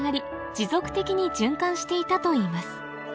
持続的に循環していたといいます